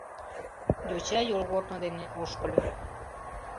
Йоча йолгорно дене ошкыльо.